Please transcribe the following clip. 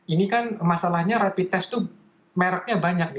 ini kan masalahnya rapid test itu mereknya banyak